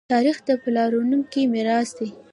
تاریخ د پلارونکو میراث دی.